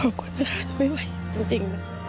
อดนะคะไม่ไหวจริง